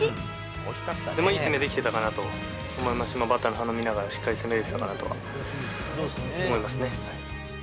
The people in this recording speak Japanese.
いい攻めできていたと思いますし、バッターの反応見ながら攻めれたかなと思いますね。